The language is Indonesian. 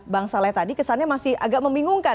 bang saleh tadi kesannya masih agak membingungkan